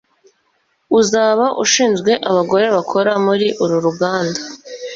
Uzaba ushinzwe abagore bakora muri uru ruganda